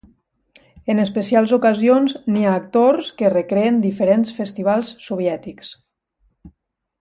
En especials ocasions n'hi ha actors que recreen diferents festivals soviètics.